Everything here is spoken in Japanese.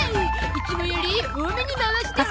いつもより多めに回しております。